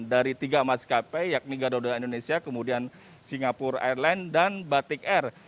dari tiga maskapai yakni garuda indonesia kemudian singapura airline dan batik air